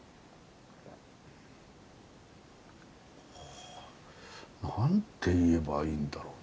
あ何ていえばいいんだろうな。